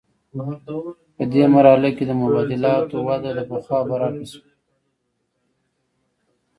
په دې مرحله کې د مبادلاتو وده د پخوا برعکس وه